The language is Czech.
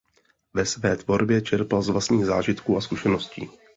Ve své tvorbě čerpal z vlastních zážitků a zkušeností.